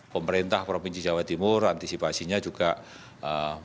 pemerintah provinsi jawa timur antisipasinya juga menyiapkan anggaran